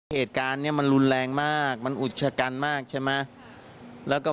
เหตุการณ์นี้มันรุนแรงมากมันอุชกันมากใช่ไหมแล้วก็